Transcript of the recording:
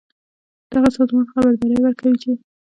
دغه سازمان خبرداری ورکوي چې